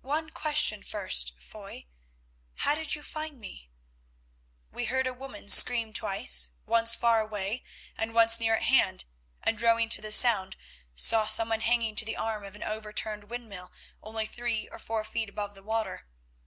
"One question first, Foy. How did you find me?" "We heard a woman scream twice, once far away and once near at hand, and rowing to the sound, saw someone hanging to the arm of an overturned windmill only three or four feet above the water.